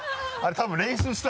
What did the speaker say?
多分。